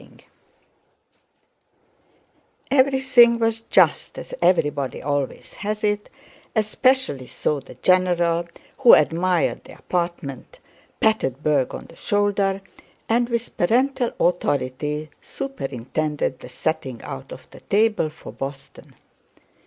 Everything was just as everybody always has it, especially so the general, who admired the apartment, patted Berg on the shoulder, and with parental authority superintended the setting out of the table for boston.